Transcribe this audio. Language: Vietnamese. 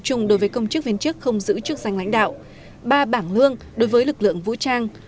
chung đối với công chức viên chức không giữ chức danh lãnh đạo ba bảng lương đối với lực lượng vũ trang